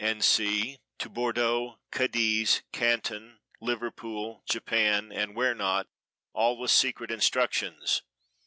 d. and c. to Bordeaux, Cadiz, Canton, Liverpool, Japan, and where not, all with secret instructions.